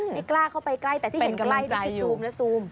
ไม่กล้าเข้าไปใกล้แต่ที่เห็นใกล้นี่คือซูมนะซูม